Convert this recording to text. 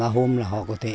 ba hôm là họ có thể